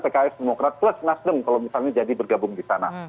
pks demokrat plus nasdem kalau misalnya jadi bergabung di sana